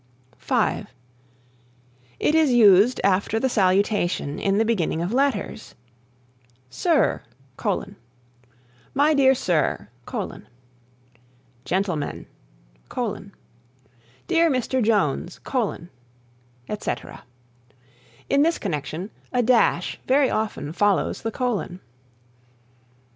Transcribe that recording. (5) It is used after the salutation in the beginning of letters: "Sir: My dear Sir: Gentlemen: Dear Mr. Jones:" etc. In this connection a dash very often follows the colon.